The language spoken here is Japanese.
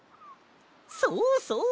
そうそう！